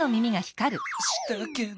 したけど。